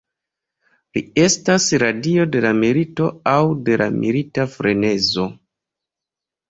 Li estas la dio de la milito aŭ de la milita frenezo.